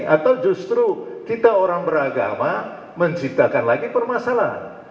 atau justru kita orang beragama menciptakan lagi permasalahan